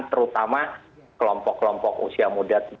terutama kelompok kelompok usia muda